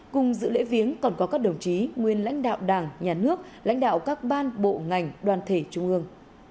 cùng dự lễ viếng còn có các đồng chí nguyên lãnh đạo đảng nhà nước lãnh đạo các ban bộ ngành đoàn thể trung ương